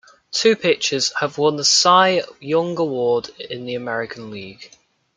Two pitchers have won the Cy Young Award in the American League.